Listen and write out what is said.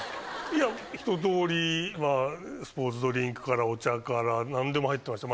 いや一とおりはスポーツドリンクからお茶から何でも入ってました。